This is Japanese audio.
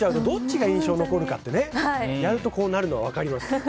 どっちが印象残るかってねやるとこうなるのは分かります。